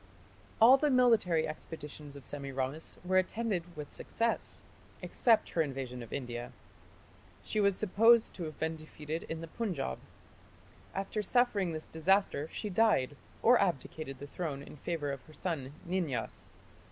All the military expeditions of Semiramis were attended with success, except her invasion of India. She was supposed to have been defeated in the Punjab. After suffering this disaster she died, or abdicated the throne in favour of her son Ninyas.